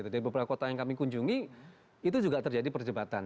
dari beberapa kota yang kami kunjungi itu juga terjadi perdebatan